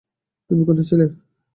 তুমি কোথায় ছিলে?